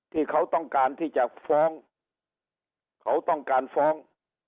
ที่เขาต้องการที่จะฟ้องเขาต้องการฟ้อง